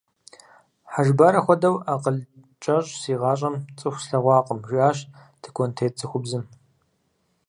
Хьэжбарэ хуэдэу акъыл кӀэщӀ си гъащӀэм цӀыху слъэгъуакъым, – жиӀащ тыкуэнтет цӀыхубзым.